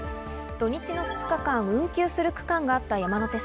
土日の２日間、運休する区間があった山手線。